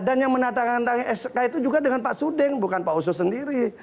dan yang menantang antang sk itu juga dengan pak sudeng bukan pak uso sendiri